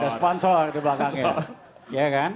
ada sponsor di belakangnya